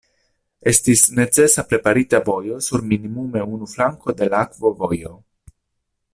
Estis necesa preparita vojo sur minimume unu flanko de la akvovojo.